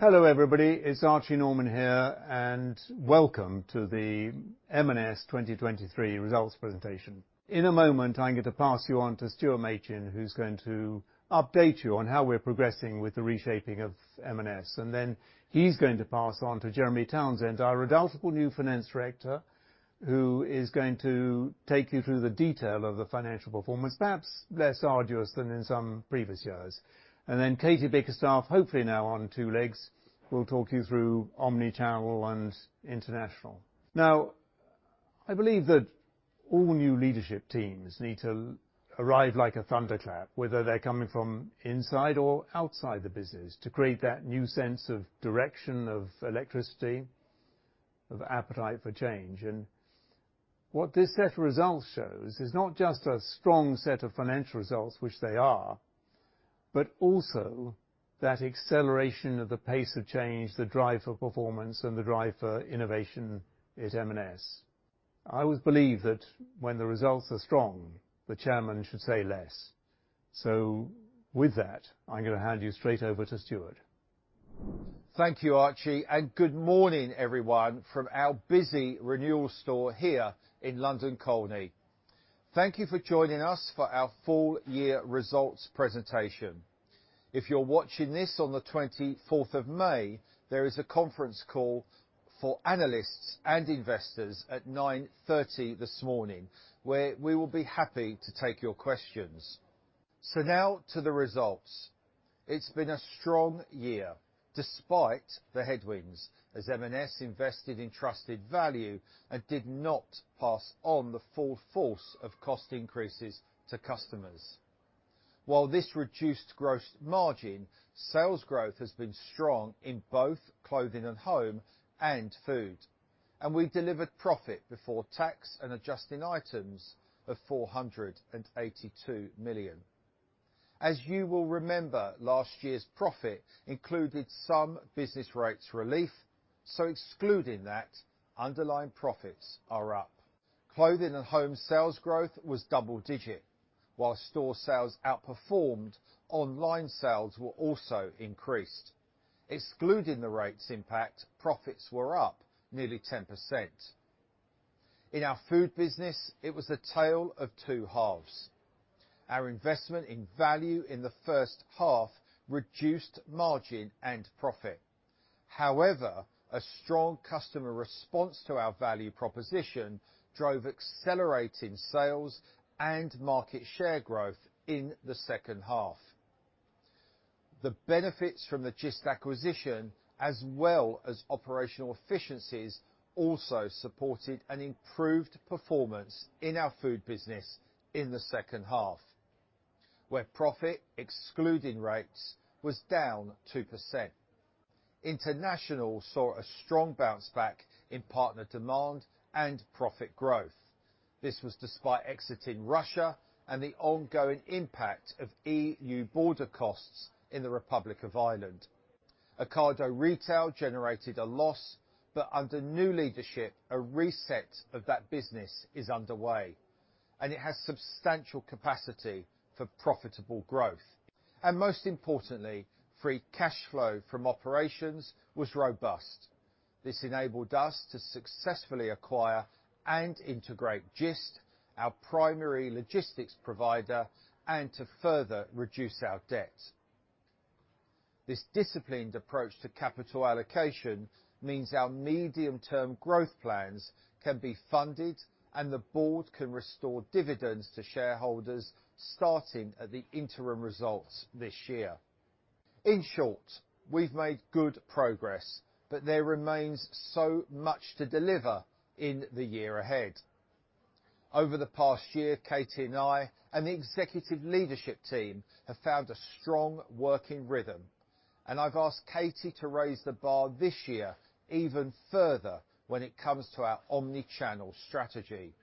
Hello, everybody. It's Archie Norman here, Welcome to the M&S 2023 Results Presentation. In a moment, I'm going to pass you on to Stuart Machin, who's going to update you on how we're progressing with the reshaping of M&S, then he's going to pass on to Jeremy Townsend, our redoubtable new Finance Director, who is going to take you through the detail of the financial performance, perhaps less arduous than in some previous years. Then Katie Bickerstaffe, hopefully now on two legs, will talk you through omni-channel and international. Now, I believe that all new leadership teams need to arrive like a thunderclap, whether they're coming from inside or outside the business, to create that new sense of direction, of electricity, of appetite for change. What this set of results shows is not just a strong set of financial results, which they are, but also that acceleration of the pace of change, the drive for performance, and the drive for innovation at M&S. I always believe that when the results are strong, the chairman should say less. With that, I'm gonna hand you straight over to Stuart. Thank you, Archie. Good morning, everyone, from our busy renewal store here in London Colney. Thank you for joining us for our full year results presentation. If you're watching this on the 24th of May, there is a conference call for analysts and investors at 9:30 A.M. this morning, where we will be happy to take your questions. Now to the results. It's been a strong year, despite the headwinds, as M&S invested in trusted value and did not pass on the full force of cost increases to customers. While this reduced gross margin, sales growth has been strong in both Clothing & Home and Food. We've delivered profit before tax and adjusting items of 482 million. As you will remember, last year's profit included some business rates relief. Excluding that, underlying profits are up. Clothing & Home sales growth was double digit. While store sales outperformed, online sales were also increased. Excluding the rates impact, profits were up nearly 10%. In our Food business, it was a tale of two halves. Our investment in value in the first half reduced margin and profit. However, a strong customer response to our value proposition drove accelerating sales and market share growth in the second half. The benefits from the Gist acquisition as well as operational efficiencies also supported an improved performance in our Food business in the second half, where profit, excluding rates, was down 2%. International saw a strong bounce back in partner demand and profit growth. This was despite exiting Russia and the ongoing impact of EU border costs in the Republic of Ireland. Ocado Retail generated a loss, but under new leadership, a reset of that business is underway, and it has substantial capacity for profitable growth. Most importantly, free cash flow from operations was robust. This enabled us to successfully acquire and integrate Gist, our primary logistics provider, and to further reduce our debt. This disciplined approach to capital allocation means our medium-term growth plans can be funded and the board can restore dividends to shareholders starting at the interim results this year. In short, we've made good progress, but there remains so much to deliver in the year ahead. Over the past year, Katie and I and the executive leadership team have found a strong working rhythm, and I've asked Katie to raise the bar this year even further when it comes to our omnichannel strategy.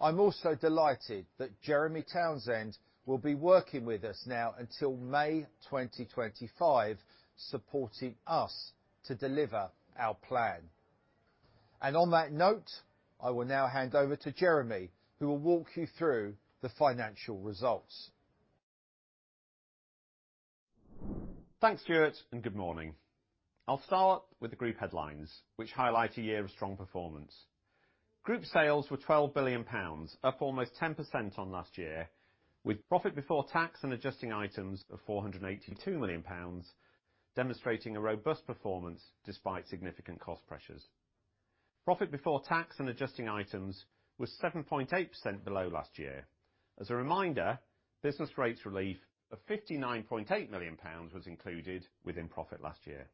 I'm also delighted that Jeremy Townsend will be working with us now until May 2025, supporting us to deliver our plan. On that note, I will now hand over to Jeremy, who will walk you through the financial results. Thanks, Stuart. Good morning. I'll start with the group headlines, which highlight a year of strong performance. Group sales were 12 billion pounds, up almost 10% on last year, with profit before tax and adjusting items of 482 million pounds, demonstrating a robust performance despite significant cost pressures. Profit before tax and adjusting items was 7.8% below last year. As a reminder, business rates relief of 59.8 million pounds was included within profit last year.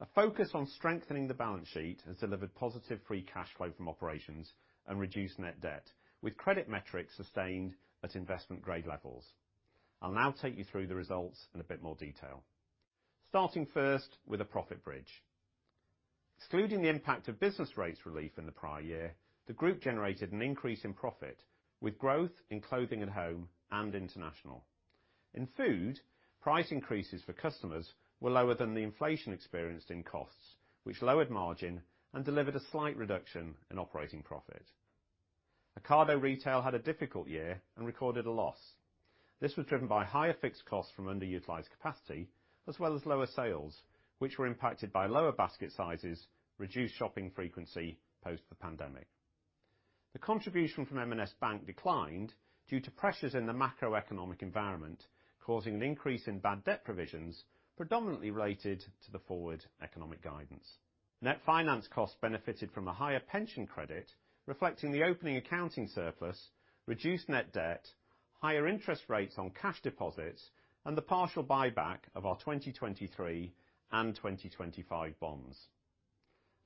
A focus on strengthening the balance sheet has delivered positive free cash flow from operations and reduced net debt, with credit metrics sustained at investment-grade levels. I'll now take you through the results in a bit more detail. Starting first with the profit bridge. Excluding the impact of business rates relief in the prior year, the group generated an increase in profit with growth in Clothing & Home and International. In Food, price increases for customers were lower than the inflation experienced in costs, which lowered margin and delivered a slight reduction in operating profit. Ocado Retail had a difficult year and recorded a loss. This was driven by higher fixed costs from underutilized capacity, as well as lower sales, which were impacted by lower basket sizes, reduced shopping frequency post the pandemic. The contribution from M&S Bank declined due to pressures in the macroeconomic environment, causing an increase in bad debt provisions, predominantly related to the forward economic guidance. Net finance costs benefited from a higher pension credit reflecting the opening accounting surplus, reduced net debt, higher interest rates on cash deposits, and the partial buyback of our 2023 and 2025 bonds.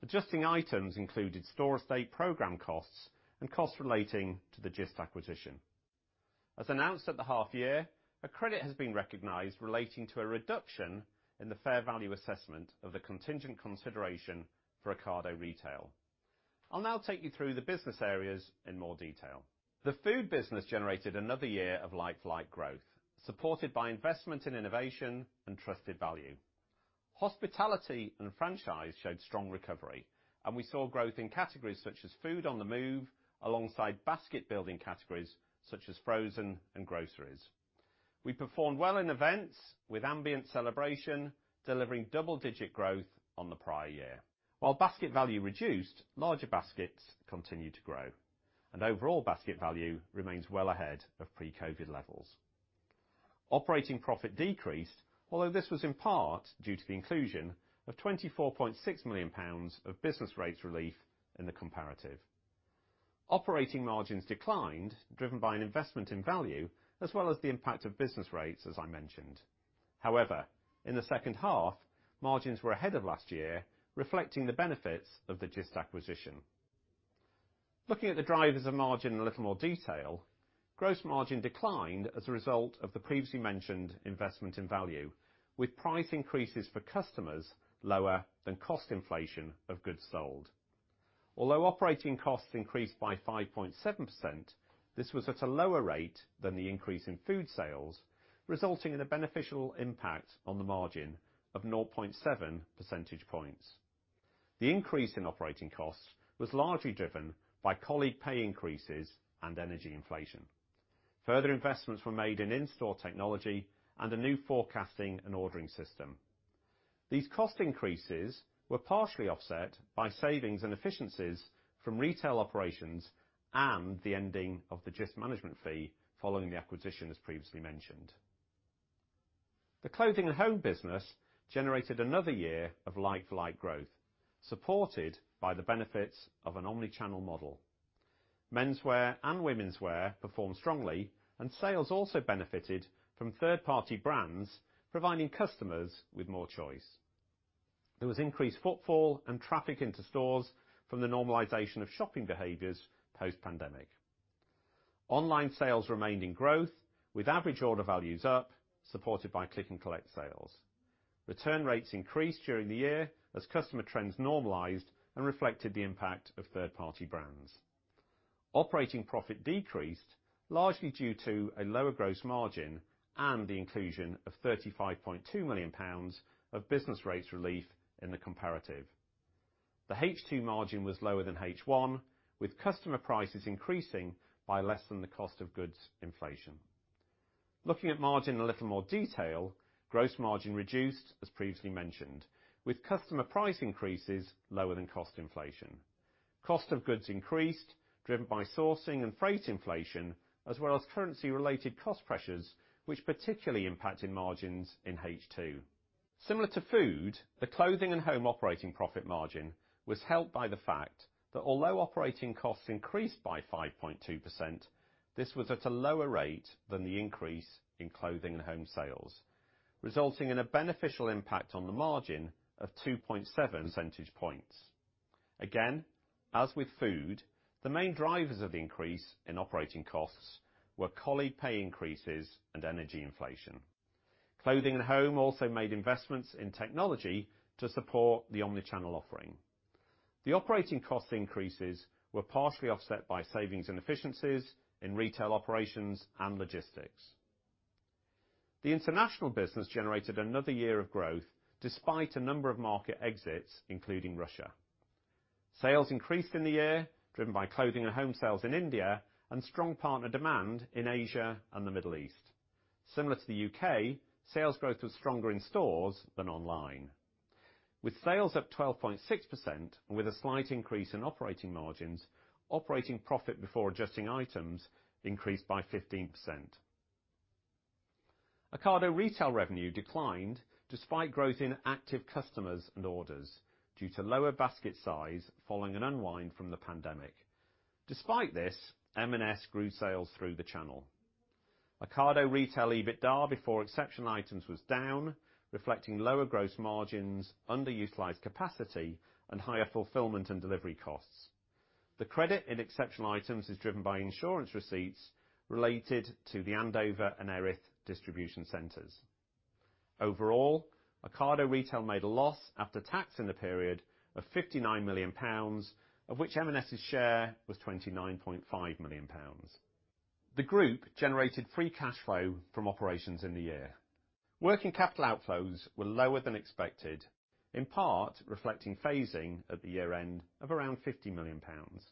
Adjusting items included store state program costs and costs relating to the Gist acquisition. As announced at the half year, a credit has been recognized relating to a reduction in the fair value assessment of the contingent consideration for Ocado Retail. I'll now take you through the business areas in more detail. The Food business generated another year of like-for-like growth, supported by investment in innovation and trusted value. Hospitality and franchise showed strong recovery, and we saw growth in categories such as food on the move, alongside basket building categories such as frozen and groceries. We performed well in events with ambient celebration, delivering double-digit growth on the prior year. While basket value reduced, larger baskets continued to grow and overall basket value remains well ahead of pre-COVID levels. Operating profit decreased, although this was in part due to the inclusion of 24.6 million pounds of business rates relief in the comparative. Operating margins declined, driven by an investment in value as well as the impact of business rates, as I mentioned. However, in the second half, margins were ahead of last year, reflecting the benefits of the Gist acquisition. Looking at the drivers of margin in a little more detail, gross margin declined as a result of the previously mentioned investment in value, with price increases for customers lower than cost inflation of goods sold. Although operating costs increased by 5.7%, this was at a lower rate than the increase in Food sales, resulting in a beneficial impact on the margin of 0.7 percentage points. The increase in operating costs was largely driven by colleague pay increases and energy inflation. Further investments were made in in-store technology and a new forecasting and ordering system. These cost increases were partially offset by savings and efficiencies from retail operations and the ending of the Gist management fee following the acquisition, as previously mentioned. The Clothing & Home business generated another year of like-for-like growth, supported by the benefits of an omni-channel model. Menswear and womenswear performed strongly, and sales also benefited from third-party brands providing customers with more choice. There was increased footfall and traffic into stores from the normalization of shopping behaviors post-pandemic. Online sales remained in growth with average order values up, supported by Click & Collect sales. Return rates increased during the year as customer trends normalized and reflected the impact of third-party brands. Operating profit decreased largely due to a lower gross margin and the inclusion of 35.2 million pounds of business rates relief in the comparative. The H2 margin was lower than H1, with customer prices increasing by less than the cost of goods inflation. Looking at margin in a little more detail, gross margin reduced, as previously mentioned, with customer price increases lower than cost inflation. Cost of goods increased driven by sourcing and freight inflation, as well as currency-related cost pressures, which particularly impacted margins in H2. Similar to Food, the Clothing & Home operating profit margin was helped by the fact that although operating costs increased by 5.2%, this was at a lower rate than the increase in Clothing & Home sales, resulting in a beneficial impact on the margin of 2.7 percentage points. Again, as with Food, the main drivers of increase in operating costs were colleague pay increases and energy inflation. Clothing & Home also made investments in technology to support the omni-channel offering. The operating cost increases were partially offset by savings and efficiencies in retail operations and logistics. The international business generated another year of growth despite a number of market exits, including Russia. Sales increased in the year, driven by Clothing & Home sales in India and strong partner demand in Asia and the Middle East. Similar to the U.K., sales growth was stronger in stores than online. With sales up 12.6% and with a slight increase in operating margins, operating profit before adjusting items increased by 15%. Ocado Retail revenue declined despite growth in active customers and orders due to lower basket size following an unwind from the pandemic. Despite this, M&S grew sales through the channel. Ocado Retail EBITDA before exceptional items was down, reflecting lower gross margins, underutilized capacity, and higher fulfillment and delivery costs. The credit in exceptional items is driven by insurance receipts related to the Andover and Erith distribution centers. Overall, Ocado Retail made a loss after tax in the period of 59 million pounds, of which M&S's share was 29.5 million pounds. The group generated free cash flow from operations in the year. Working capital outflows were lower than expected, in part reflecting phasing at the year-end of around 50 million pounds.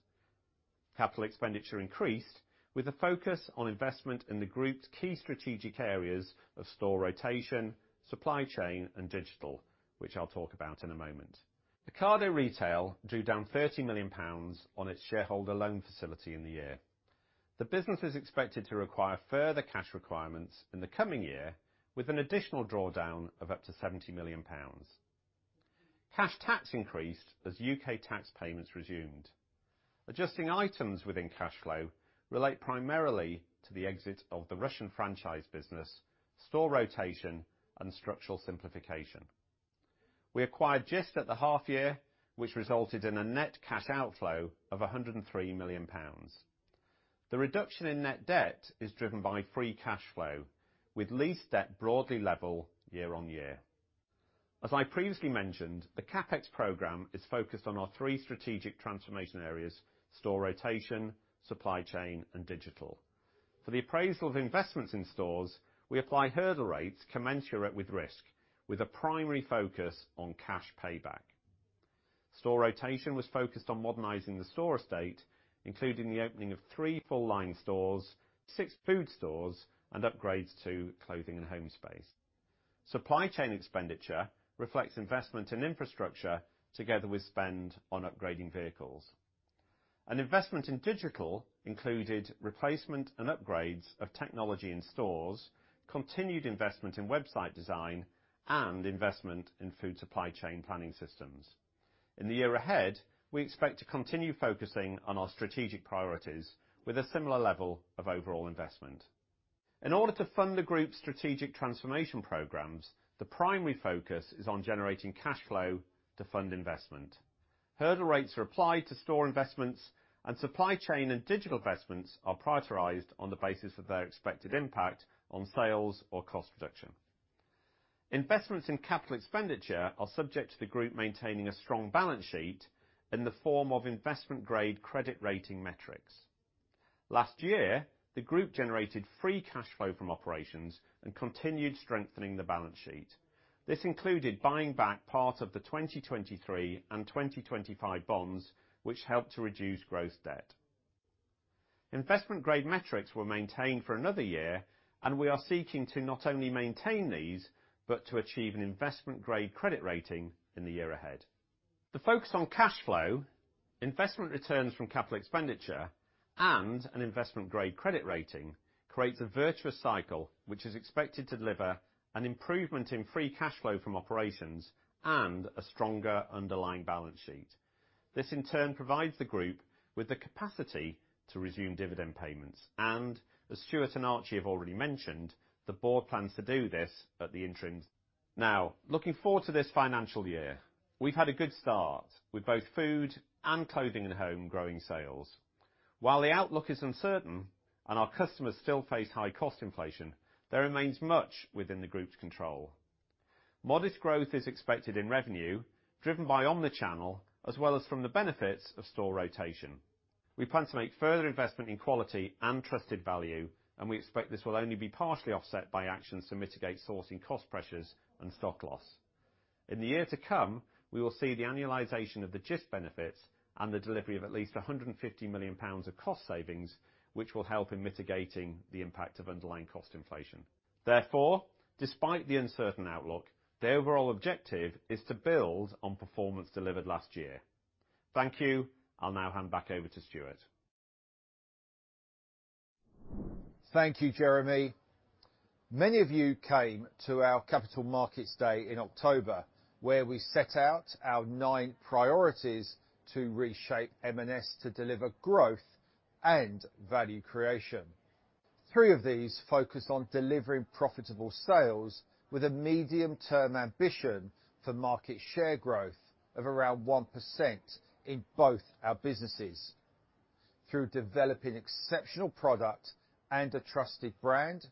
Capital expenditure increased with a focus on investment in the group's key strategic areas of store rotation, supply chain, and digital, which I'll talk about in a moment. Ocado Retail drew down 30 million pounds on its shareholder loan facility in the year. The business is expected to require further cash requirements in the coming year with an additional drawdown of up to 70 million pounds. Cash tax increased as U.K. tax payments resumed. Adjusting items within cash flow relate primarily to the exit of the Russian franchise business, store rotation, and structural simplification. We acquired Gist at the half year, which resulted in a net cash outflow of 103 million pounds. The reduction in net debt is driven by free cash flow, with lease debt broadly level year-over-year. As I previously mentioned, the CapEx program is focused on our three strategic transformation areas: store rotation, supply chain, and digital. For the appraisal of investments in stores, we apply hurdle rates commensurate with risk, with a primary focus on cash payback. Store rotation was focused on modernizing the store estate, including the opening of three full-line stores, six Food stores, and upgrades to Clothing & Home space. Supply chain expenditure reflects investment in infrastructure together with spend on upgrading vehicles. An investment in digital included replacement and upgrades of technology in stores, continued investment in website design, and investment in Food supply chain planning systems. In the year ahead, we expect to continue focusing on our strategic priorities with a similar level of overall investment. In order to fund the group's strategic transformation programs, the primary focus is on generating cash flow to fund investment. Hurdle rates are applied to store investments and supply chain and digital investments are prioritized on the basis of their expected impact on sales or cost reduction. Investments in capital expenditure are subject to the group maintaining a strong balance sheet in the form of investment-grade credit rating metrics. Last year, the group generated free cash flow from operations and continued strengthening the balance sheet. This included buying back part of the 2023 and 2025 bonds, which helped to reduce gross debt. Investment-grade metrics were maintained for another year, and we are seeking to not only maintain these, but to achieve an investment-grade credit rating in the year ahead. The focus on cash flow, investment returns from capital expenditure, and an investment-grade credit rating creates a virtuous cycle which is expected to deliver an improvement in free cash flow from operations and a stronger underlying balance sheet. This, in turn, provides the group with the capacity to resume dividend payments, and as Stuart and Archie have already mentioned, the board plans to do this at the interim. Now, looking forward to this financial year, we've had a good start with both Food and Clothing & Home growing sales. While the outlook is uncertain and our customers still face high cost inflation, there remains much within the group's control. Modest growth is expected in revenue, driven by omni-channel, as well as from the benefits of store rotation. We plan to make further investment in quality and trusted value, and we expect this will only be partially offset by actions to mitigate sourcing cost pressures and stock loss. In the year to come, we will see the annualization of the Gist benefits and the delivery of at least 150 million pounds of cost savings, which will help in mitigating the impact of underlying cost inflation. Therefore, despite the uncertain outlook, the overall objective is to build on performance delivered last year. Thank you. I'll now hand back over to Stuart. Thank you, Jeremy. Many of you came to our Capital Markets Day in October, where we set out our nine priorities to reshape M&S to deliver growth and value creation. Three of these focus on delivering profitable sales with a medium-term ambition for market share growth of around 1% in both our businesses through developing exceptional product and a trusted brand,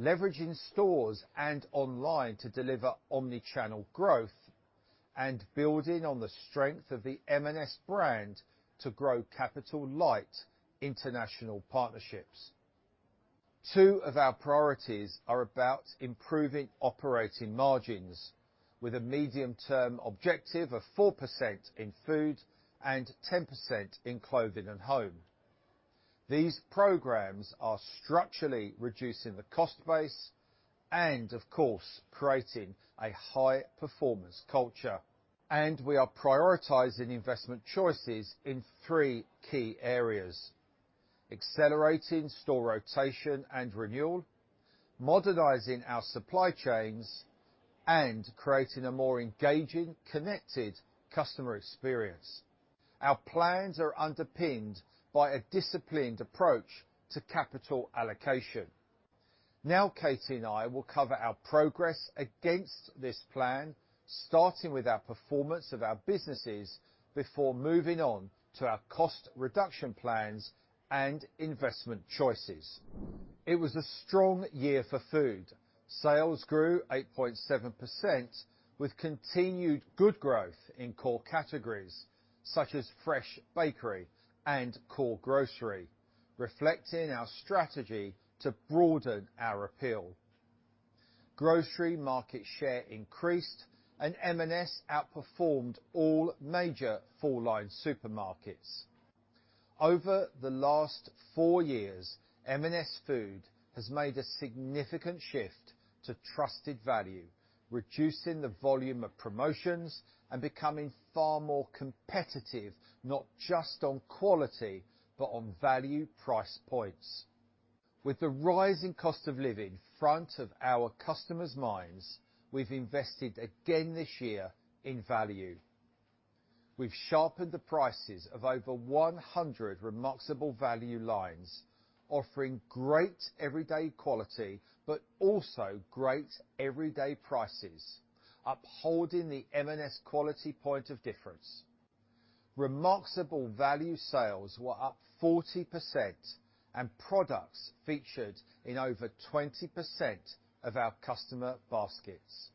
leveraging stores and online to deliver omni-channel growth, building on the strength of the M&S brand to grow capital-light international partnerships. Two of our priorities are about improving operating margins with a medium-term objective of 4% in Food and 10% in Clothing & Home. These programs are structurally reducing the cost base and, of course, creating a high-performance culture. We are prioritizing investment choices in three key areas. Accelerating store rotation and renewal, modernizing our supply chains, and creating a more engaging, connected customer experience. Our plans are underpinned by a disciplined approach to capital allocation. Katie and I will cover our progress against this plan, starting with our performance of our businesses before moving on to our cost reduction plans and investment choices. It was a strong year for Food. Sales grew 8.7% with continued good growth in core categories, such as fresh bakery and core grocery, reflecting our strategy to broaden our appeal. Grocery market share increased. M&S outperformed all major full-line supermarkets. Over the last four years, M&S Food has made a significant shift to trusted value, reducing the volume of promotions and becoming far more competitive, not just on quality, but on value price points. With the rising cost of living front of our customers' minds, we've invested again this year in value. We've sharpened the prices of over 100 Remarksable Value lines, offering great everyday quality, but also great everyday prices, upholding the M&S quality point of difference. Remarksable Value sales were up 40% and products featured in over 20% of our customer baskets.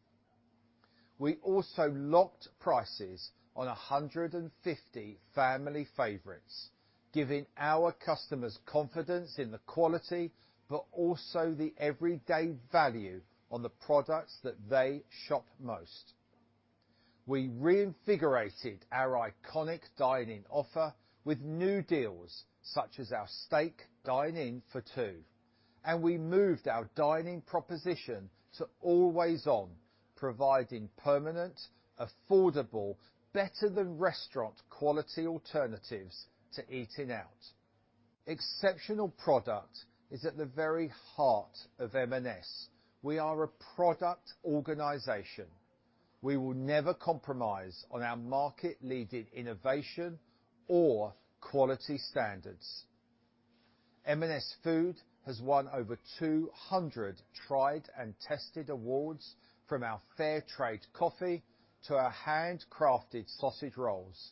We also locked prices on 150 family favorites, giving our customers confidence in the quality, but also the everyday value on the products that they shop most. We reinvigorated our iconic dine-in offer with new deals such as our steak dine-in for two, and we moved our dine-in proposition to Always On, providing permanent, affordable, better than restaurant quality alternatives to eating out. Exceptional product is at the very heart of M&S. We are a product organization. We will never compromise on our market-leading innovation or quality standards. M&S Food has won over 200 tried and tested awards from our fair trade coffee to our handcrafted sausage rolls.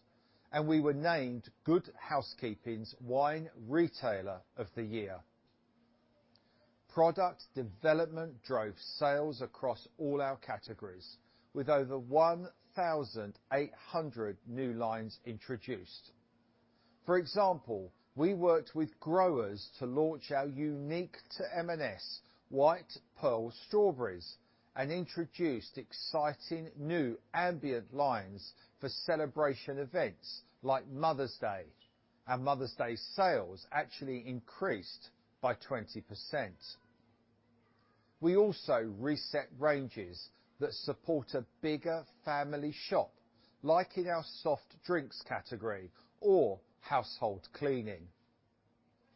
We were named Good Housekeeping's Wine Retailer of the Year. Product development drove sales across all our categories with over 1,800 new lines introduced. For example, we worked with growers to launch our unique to M&S White Pearl Strawberries and introduced exciting new ambient lines for celebration events like Mother's Day. Mother's Day sales actually increased by 20%. We also reset ranges that support a bigger family shop, like in our soft drinks category or household cleaning.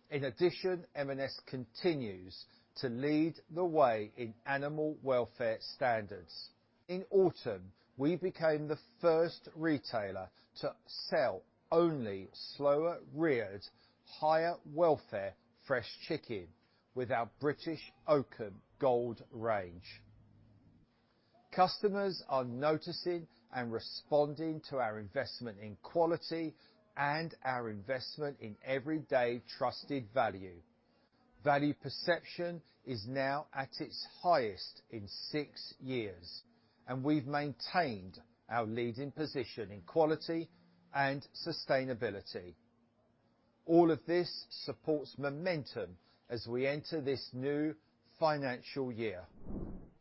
In addition, M&S continues to lead the way in animal welfare standards. In autumn, we became the first retailer to sell only slower-reared, higher welfare fresh chicken with our British Oakham Gold range. Customers are noticing and responding to our investment in quality and our investment in everyday trusted value. Value perception is now at its highest in six years. We've maintained our leading position in quality and sustainability. All of this supports momentum as we enter this new financial year.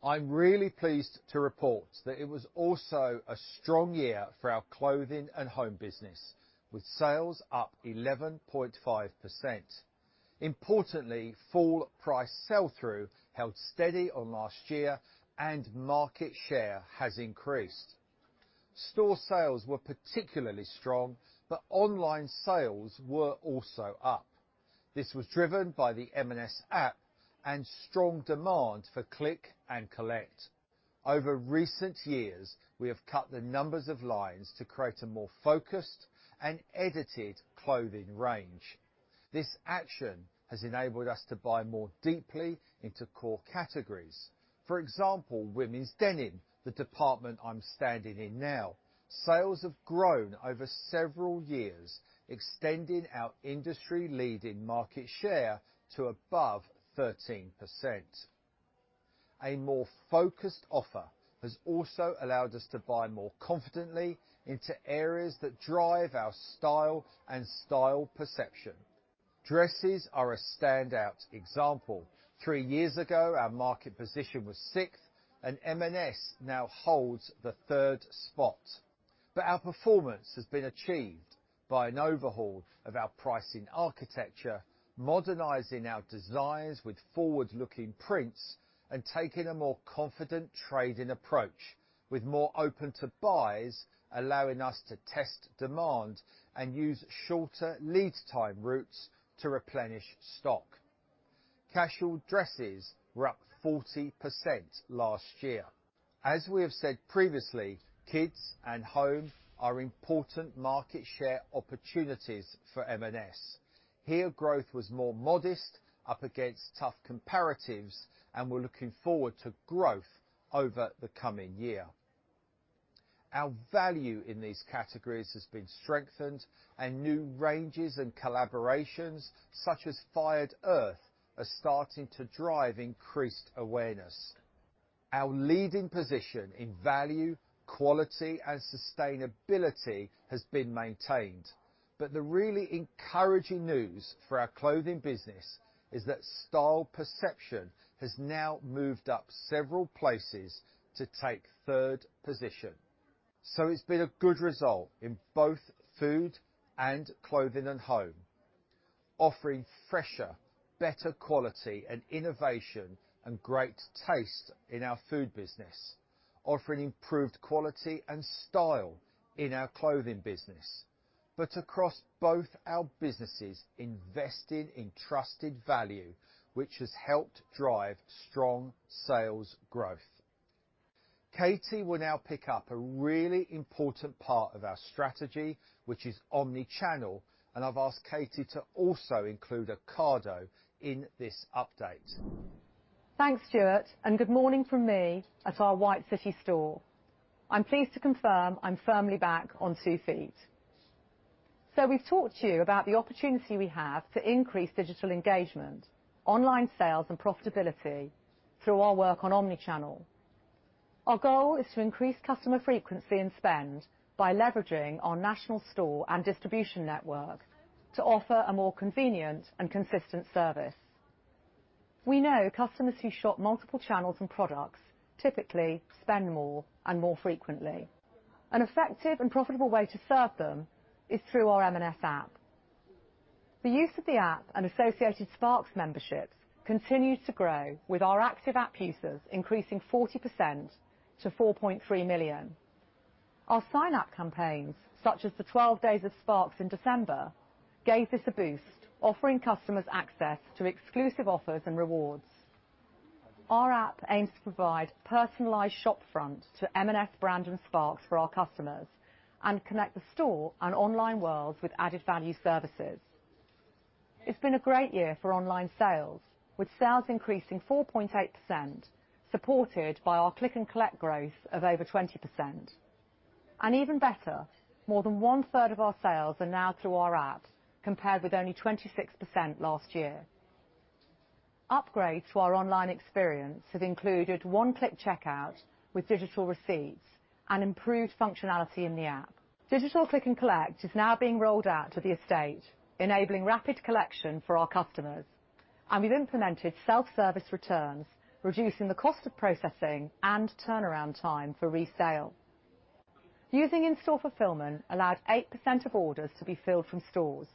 I'm really pleased to report that it was also a strong year for our Clothing & Home business, with sales up 11.5%. Importantly, full price sell-through held steady on last year and market share has increased. Store sales were particularly strong, but online sales were also up. This was driven by the M&S app and strong demand for Click & Collect. Over recent years, we have cut the numbers of lines to create a more focused and edited clothing range. This action has enabled us to buy more deeply into core categories. For example, women's denim, the department I'm standing in now. Sales have grown over several years, extending our industry-leading market share to above 13%. A more focused offer has also allowed us to buy more confidently into areas that drive our style and style perception. Dresses are a standout example. three years ago, our market position was sixth, and M&S now holds the third spot. Our performance has been achieved by an overhaul of our pricing architecture, modernizing our designs with forward-looking prints and taking a more confident trading approach with more open-to-buys, allowing us to test demand and use shorter lead time routes to replenish stock. Casual dresses were up 40% last year. As we have said previously, kids and home are important market share opportunities for M&S. Here, growth was more modest up against tough comparatives, and we're looking forward to growth over the coming year. Our value in these categories has been strengthened, and new ranges and collaborations, such as Fired Earth, are starting to drive increased awareness. Our leading position in value, quality, and sustainability has been maintained. The really encouraging news for our Clothing business is that style perception has now moved up several places to take third position. It's been a good result in both Food and Clothing & Home. Offering fresher, better quality, and innovation and great taste in our Food business. Offering improved quality and style in our Clothing business. Across both our businesses, investing in trusted value, which has helped drive strong sales growth. Katie will now pick up a really important part of our strategy, which is omni-channel, and I've asked Katie to also include Ocado in this update. Thanks, Stuart, and good morning from me at our White City store. I'm pleased to confirm I'm firmly back on two feet. We've talked to you about the opportunity we have to increase digital engagement, online sales, and profitability through our work on omni-channel. Our goal is to increase customer frequency and spend by leveraging our national store and distribution network to offer a more convenient and consistent service. We know customers who shop multiple channels and products typically spend more and more frequently. An effective and profitable way to serve them is through our M&S app. The use of the app and associated Sparks memberships continues to grow, with our active app users increasing 40% to 4.3 million. Our sign-up campaigns, such as the Twelve Days of Sparks in December, gave this a boost, offering customers access to exclusive offers and rewards. Our app aims to provide personalized shop front to M&S and Sparks for our customers and connect the store and online world with added value services. It's been a great year for online sales, with sales increasing 4.8%, supported by our Click & Collect growth of over 20%. Even better, more than one-third of our sales are now through our app compared with only 26% last year. Upgrades to our online experience have included one-click checkout with digital receipts and improved functionality in the app. digital Click & Collect is now being rolled out to the estate, enabling rapid collection for our customers. We've implemented self-service returns, reducing the cost of processing and turnaround time for resale. Using in-store fulfillment allowed 8% of orders to be filled from stores,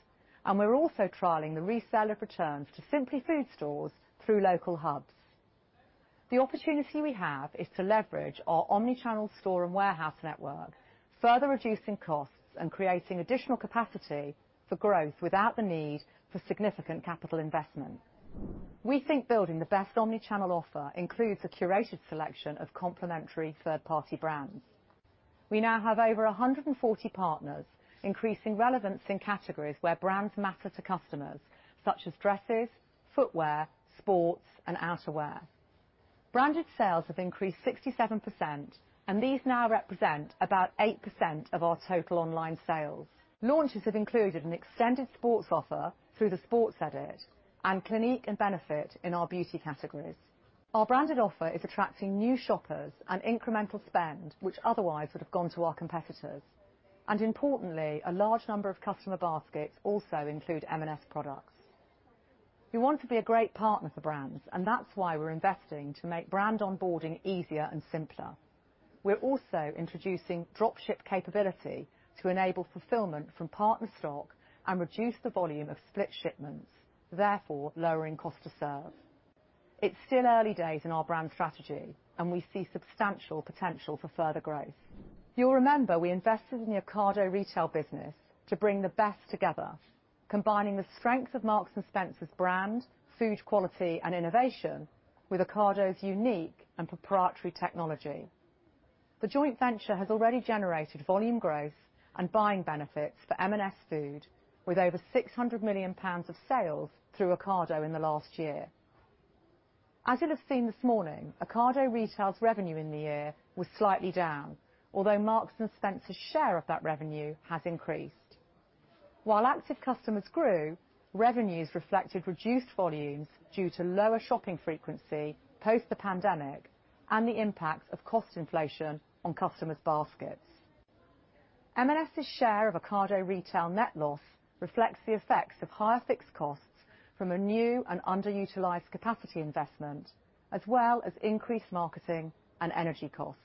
and we're also trialing the resale of returns to Simply Food stores through local hubs. The opportunity we have is to leverage our omnichannel store and warehouse network, further reducing costs and creating additional capacity for growth without the need for significant capital investment. We think building the best omnichannel offer includes a curated selection of complementary third-party brands. We now have over 140 partners, increasing relevance in categories where brands matter to customers, such as dresses, footwear, sports, and outerwear. Branded sales have increased 67%, and these now represent about 8% of our total online sales. Launches have included an extended sports offer through The Sports Edit and Clinique and Benefit in our beauty categories. Our branded offer is attracting new shoppers and incremental spend, which otherwise would have gone to our competitors. Importantly, a large number of customer baskets also include M&S products. We want to be a great partner for brands, and that's why we're investing to make brand onboarding easier and simpler. We're also introducing drop ship capability to enable fulfillment from partner stock and reduce the volume of split shipments, therefore lowering cost to serve. It's still early days in our brand strategy, and we see substantial potential for further growth. You'll remember we invested in the Ocado Retail business to bring the best together, combining the strength of Marks & Spencer's brand, food quality, and innovation with Ocado's unique and proprietary technology. The joint venture has already generated volume growth and buying benefits for M&S Food, with over 600 million pounds of sales through Ocado in the last year. As you'll have seen this morning, Ocado Retail's revenue in the year was slightly down, although Marks & Spencer's share of that revenue has increased. While active customers grew, revenues reflected reduced volumes due to lower shopping frequency post the pandemic and the impact of cost inflation on customers' baskets. M&S's share of Ocado Retail net loss reflects the effects of higher fixed costs from a new and underutilized capacity investment, as well as increased marketing and energy costs.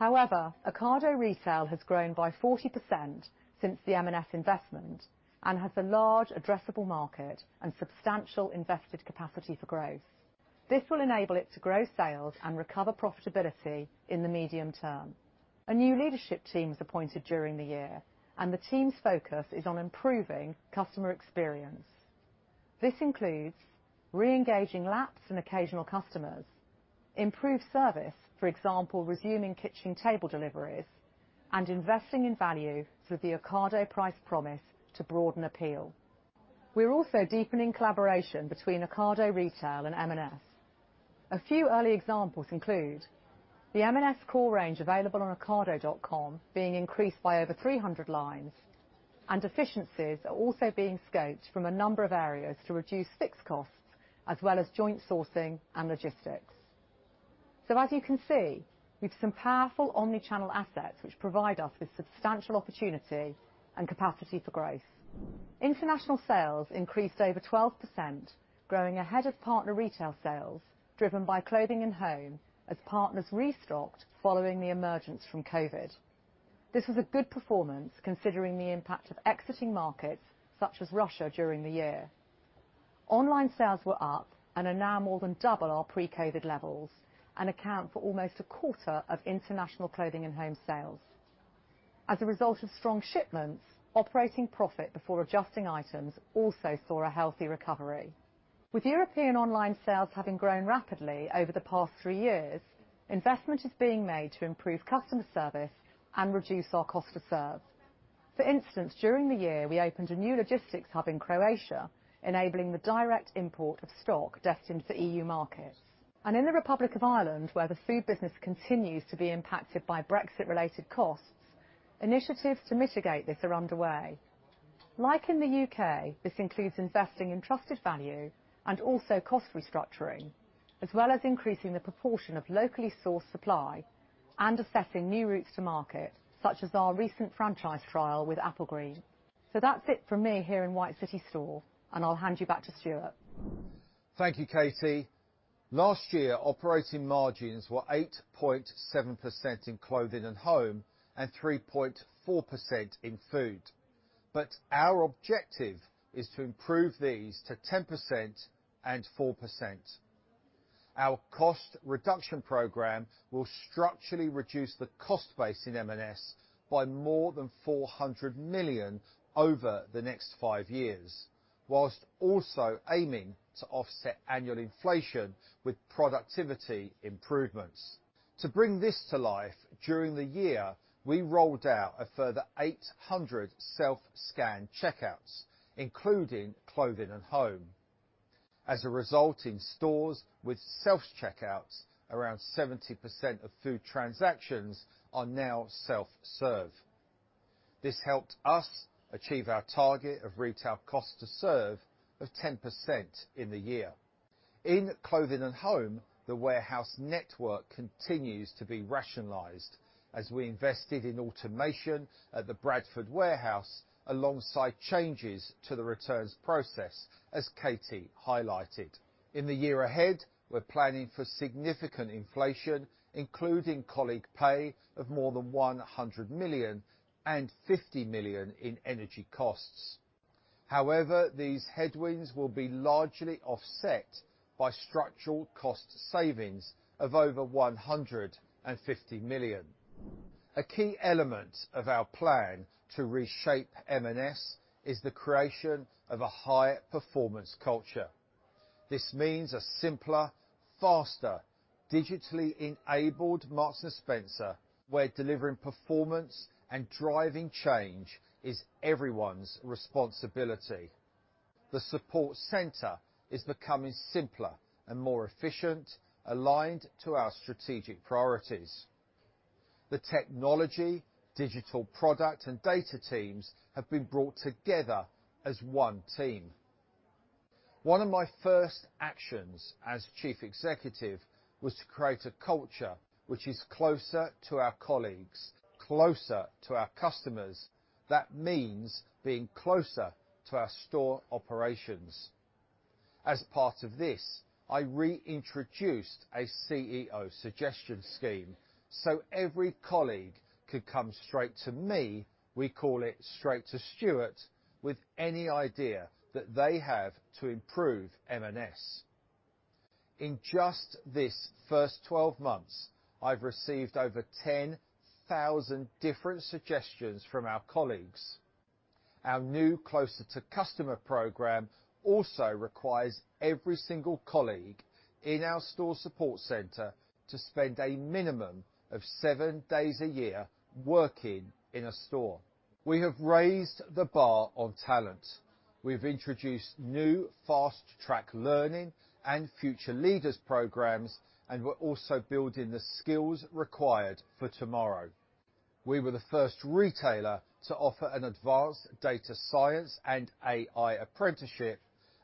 Ocado Retail has grown by 40% since the M&S investment and has a large addressable market and substantial invested capacity for growth. This will enable it to grow sales and recover profitability in the medium term. A new leadership team was appointed during the year, and the team's focus is on improving customer experience. This includes re-engaging lapsed and occasional customers, improved service, for example, resuming Kitchen Table deliveries, and investing in value through the Ocado Price Promise to broaden appeal. We're also deepening collaboration between Ocado Retail and M&S. A few early examples include the M&S core range available on Ocado.com being increased by over 300 lines, and efficiencies are also being scoped from a number of areas to reduce fixed costs as well as joint sourcing and logistics. As you can see, we've some powerful omni-channel assets which provide us with substantial opportunity and capacity for growth. International sales increased over 12%, growing ahead of partner retail sales, driven by Clothing & Home as partners restocked following the emergence from COVID. This was a good performance considering the impact of exiting markets, such as Russia, during the year. Online sales were up, and are now more than double our pre-COVID levels, and account for almost a quarter of international Clothing & Home sales. As a result of strong shipments, operating profit before adjusting items also saw a healthy recovery. With European online sales having grown rapidly over the past three years, investment is being made to improve customer service and reduce our cost to serve. For instance, during the year, we opened a new logistics hub in Croatia, enabling the direct import of stock destined for EU markets. In the Republic of Ireland, where the food business continues to be impacted by Brexit-related costs, initiatives to mitigate this are underway. Like in the UK, this includes investing in trusted value and also cost restructuring, as well as increasing the proportion of locally sourced supply and assessing new routes to market, such as our recent franchise trial with Applegreen. That's it from me here in White City store, and I'll hand you back to Stuart. Thank you, Katie. Last year, operating margins were 8.7% in Clothing & Home and 3.4% in Food. Our objective is to improve these to 10% and 4%. Our cost reduction program will structurally reduce the cost base in M&S by more than 400 million over the next five years, whilst also aiming to offset annual inflation with productivity improvements. To bring this to life, during the year, we rolled out a further 800 self-scan checkouts, including Clothing & Home. As a result, in stores with self-checkouts, around 70% of Food transactions are now self-serve. This helped us achieve our target of retail cost to serve of 10% in the year. In Clothing & Home, the warehouse network continues to be rationalized as we invested in automation at the Bradford warehouse alongside changes to the returns process, as Katie highlighted. In the year ahead, we're planning for significant inflation, including colleague pay of more than 100 million and 50 million in energy costs. These headwinds will be largely offset by structural cost savings of over 150 million. A key element of our plan to reshape M&S is the creation of a high-performance culture. This means a simpler, faster, digitally-enabled Marks & Spencer where delivering performance and driving change is everyone's responsibility. The support center is becoming simpler and more efficient, aligned to our strategic priorities. The technology, digital product, and data teams have been brought together as one team. One of my first actions as chief executive was to create a culture which is closer to our colleagues, closer to our customers. That means being closer to our store operations. As part of this, I reintroduced a Chief Executive Officer suggestion scheme so every colleague could come straight to me, we call it Straight to Stuart, with any idea that they have to improve M&S. In just this first 12 months, I've received over 10,000 different suggestions from our colleagues. Our new Closer to Customer program also requires every single colleague in our store support center to spend a minimum of 7 days a year working in a store. We have raised the bar on talent. We've introduced new fast track learning and future leaders programs, we're also building the skills required for tomorrow. We were the first retailer to offer an advanced data science and AI apprenticeship,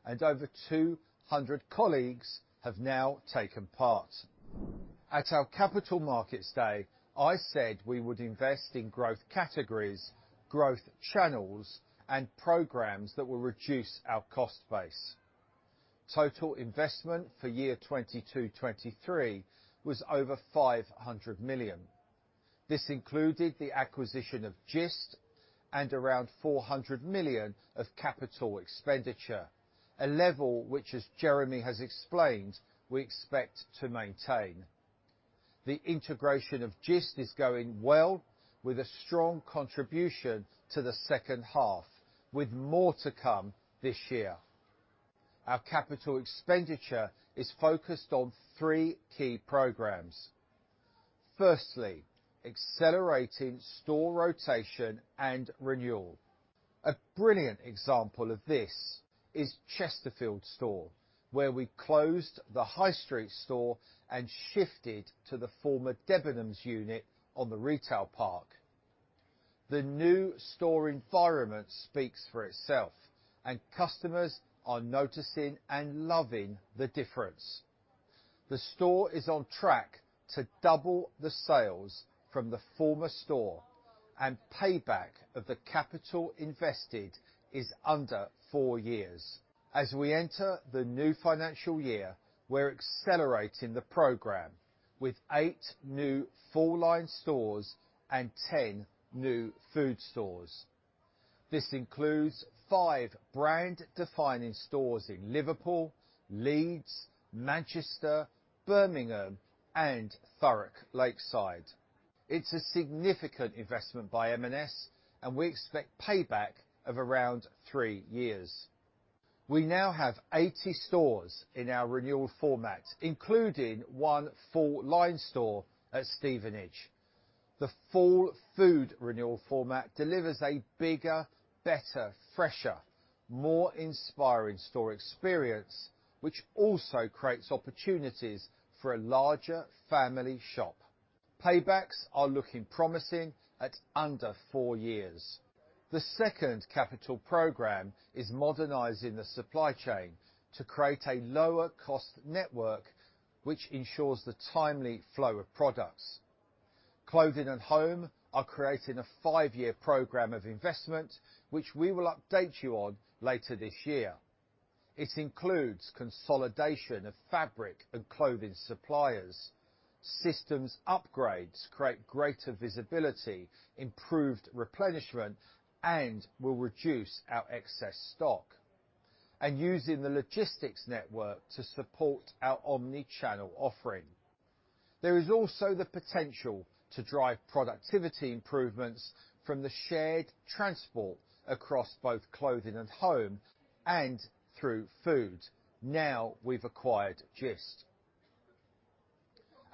over 200 colleagues have now taken part. At our Capital Markets Day, I said we would invest in growth categories, growth channels, and programs that will reduce our cost base. Total investment for year 2022/2023 was over 500 million. This included the acquisition of Gist and around 400 million of capital expenditure, a level which, as Jeremy has explained, we expect to maintain. The integration of Gist is going well, with a strong contribution to the second half, with more to come this year. Our capital expenditure is focused on three key programs. Firstly, accelerating store rotation and renewal. A brilliant example of this is Chesterfield store, where we closed the High Street store and shifted to the former Debenhams unit on the retail park. The new store environment speaks for itself and customers are noticing and loving the difference. The store is on track to double the sales from the former store and payback of the capital invested is under four years. As we enter the new financial year, we're accelerating the program with eight new full-line stores and 10 new food stores. This includes five brand-defining stores in Liverpool, Leeds, Manchester, Birmingham and Thurrock Lakeside. It's a significant investment by M&S and we expect payback of around three years. We now have 80 stores in our renewal format, including one full-line store at Stevenage. The full food renewal format delivers a bigger, better, fresher, more inspiring store experience, which also creates opportunities for a larger family shop. Paybacks are looking promising at under four years. The second capital program is modernizing the supply chain to create a lower cost network which ensures the timely flow of products. Clothing & Home are creating a five-year program of investment, which we will update you on later this year. It includes consolidation of fabric and clothing suppliers, systems upgrades create greater visibility, improved replenishment, and will reduce our excess stock. Using the logistics network to support our omni-channel offering. There is also the potential to drive productivity improvements from the shared transport across both Clothing & Home and through Food now we've acquired Gist.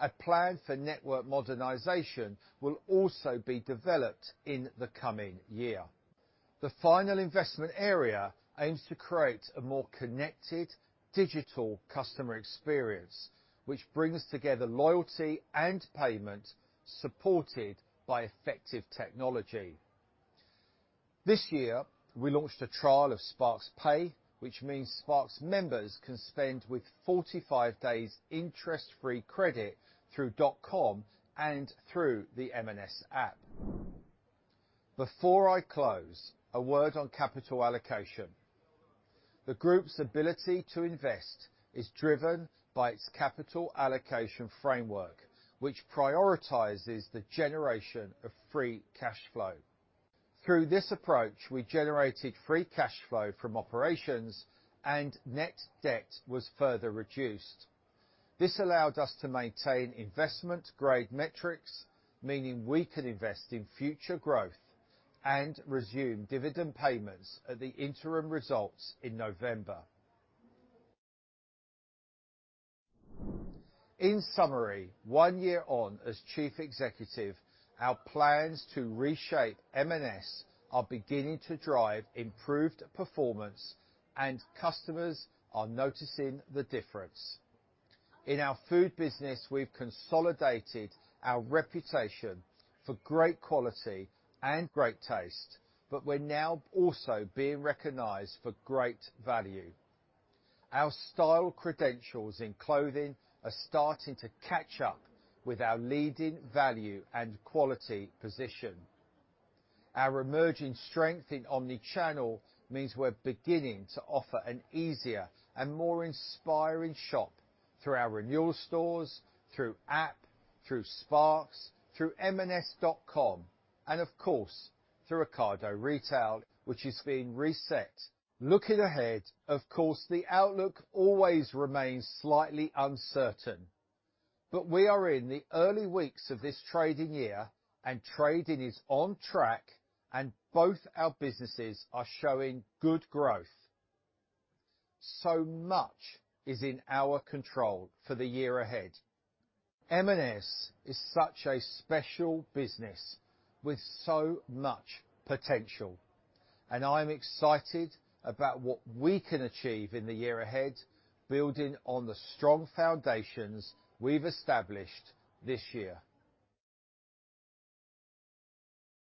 A plan for network modernization will also be developed in the coming year. The final investment area aims to create a more connected digital customer experience, which brings together loyalty and payment, supported by effective technology. This year we launched a trial of Sparks Pay, which means Sparks members can spend with 45 days interest-free credit through dot com and through the M&S app. Before I close, a word on capital allocation. The group's ability to invest is driven by its capital allocation framework, which prioritizes the generation of free cash flow. Through this approach, we generated free cash flow from operations and net debt was further reduced. This allowed us to maintain investment-grade metrics, meaning we can invest in future growth and resume dividend payments at the interim results in November. In summary, one year on as Chief Executive, our plans to reshape M&S are beginning to drive improved performance. Customers are noticing the difference. In our food business, we've consolidated our reputation for great quality and great taste. We're now also being recognized for great value. Our style credentials in clothing are starting to catch up with our leading value and quality position. Our emerging strength in omni-channel means we're beginning to offer an easier and more inspiring shop through our renewal stores, through app, through Sparks, through M&S.com, and of course, through Ocado Retail, which is being reset. Looking ahead, of course, the outlook always remains slightly uncertain, but we are in the early weeks of this trading year, and trading is on track and both our businesses are showing good growth. Much is in our control for the year ahead. M&S is such a special business with so much potential, and I'm excited about what we can achieve in the year ahead, building on the strong foundations we've established this year.